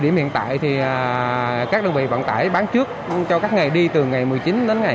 điểm hiện tại thì các đơn vị bán tại bán trước cho các nghề đi từ ngày một đến ngày hai nhiều doanh nghiệp